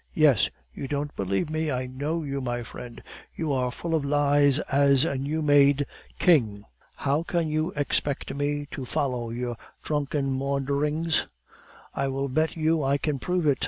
"Yes." "You don't believe me. I know you, my friend; you are as full of lies as a new made king." "How can you expect me to follow your drunken maunderings?" "I will bet you I can prove it.